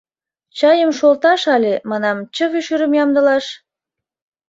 Чайым шолташ але, манам, чыве шӱрым ямдылаш?